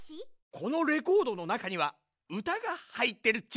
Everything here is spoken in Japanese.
このレコードのなかにはうたがはいってるっち。